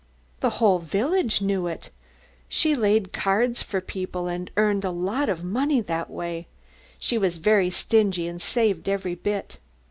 "The whole village knew it. She laid cards for people and earned a lot of money that way. She was very stingy and saved every bit.